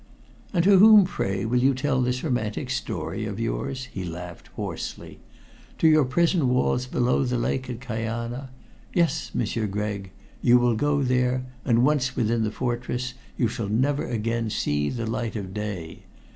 "And to whom, pray, will you tell this romantic story of yours?" he laughed hoarsely. "To your prison walls below the lake at Kajana? Yes, M'sieur Gregg, you will go there, and once within the fortress you shall never again see the light of day.